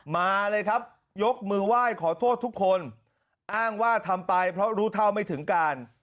มาเลยครับยกมือไหว้ขอโทษทุกคนอ้างว่าทำไปเพราะรู้เท่าไม่ถึงการ